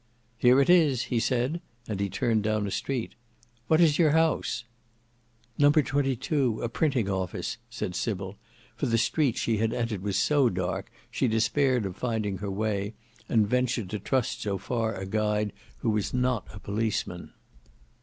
"Here it is," he said; and he turned down a street. "What is your house?" "No. 22: a printing office." said Sybil; for the street she had entered was so dark she despaired of finding her way, and ventured to trust so far a guide who was not a policeman.